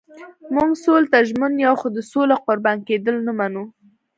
موږ سولې ته ژمن یو خو د سولې قربان کېدل نه منو.